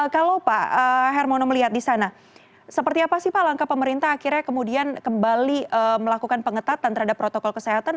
kalau pak hermono melihat di sana seperti apa sih pak langkah pemerintah akhirnya kemudian kembali melakukan pengetatan terhadap protokol kesehatan